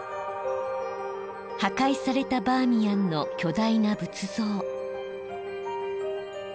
破壊されたバーミヤンの巨大な仏像。